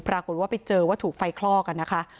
ปรากฏว่าไปเจอว่าถูกไฟคลอกกันนะคะ